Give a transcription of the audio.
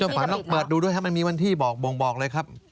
คุณจงฝันต้องเปิดดูด้วยครับมันมีวันที่บ่องเลยครับ